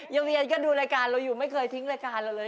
เวียนก็ดูรายการเราอยู่ไม่เคยทิ้งรายการเราเลย